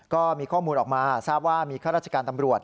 ก็มีข้อมูลออกมาทราบว่ามีข้าราชการตำรวจ